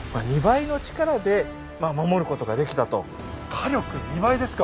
火力２倍ですか！